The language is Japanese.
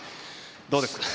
どうですか？